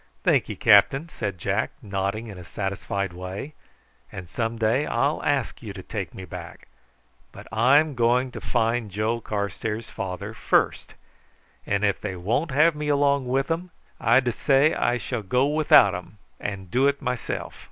"Thank'ye, captain," said Jack, nodding in a satisfied way, "and some day I'll ask you to take me back, but I'm going to find Joe Carstairs' father first; and if they won't have me along with them, I dessay I shall go without 'em, and do it myself."